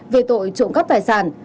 về tội trộm các tài sản